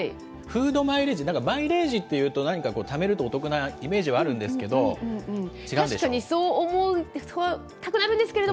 フード・マイレージ、マイレージっていうと何かこう、ためるとお得なイメージはあるんですけど、違うんでしょ？